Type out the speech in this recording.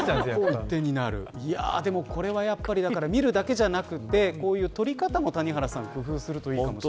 見るだけじゃなくて撮り方も工夫するといいかもしれない。